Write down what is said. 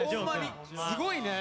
すごいね。